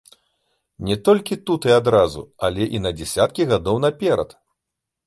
Не толькі тут і адразу, але і на дзясяткі гадоў наперад.